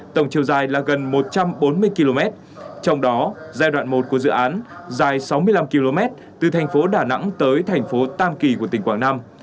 tổng chiều dài là gần một trăm bốn mươi km trong đó giai đoạn một của dự án dài sáu mươi năm km từ thành phố đà nẵng tới thành phố tam kỳ của tỉnh quảng nam